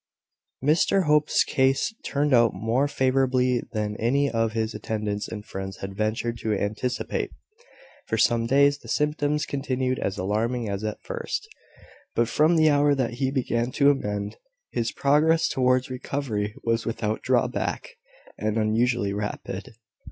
Mr Hope's case turned out more favourably than any of his attendants and friends had ventured to anticipate. For some days the symptoms continued as alarming as at first; but from the hour that he began to amend, his progress towards recovery was without drawback, and unusually rapid.